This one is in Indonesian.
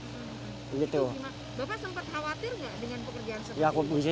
bapak sempat khawatir nggak dengan pekerjaan seperti ini